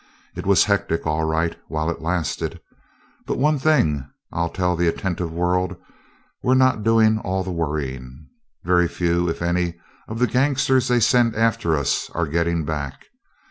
It was hectic, all right, while it lasted. But one thing I'll tell the attentive world we're not doing all the worrying. Very few, if any, of the gangsters they send after us are getting back.